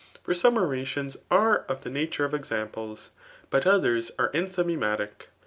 For mmm <mu tiom are of the nature of examples^ but others are csAf^ mematic.